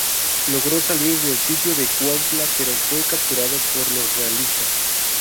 Logró salir del sitio de Cuautla, pero fue capturado por los realistas.